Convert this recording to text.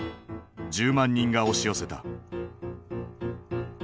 １０万人が押し寄せた。